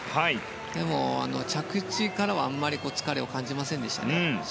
でも着地からは、あんまり疲れを感じなかったですね。